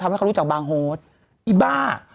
เพราะเปลี่ยนจากฉันได้ไง